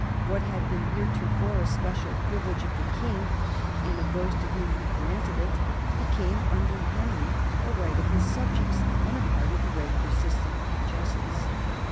What had been heretofore a special privilege of the king and of those to whom he granted it, became under Henry a right of his subjects and a part of the regular system of justice.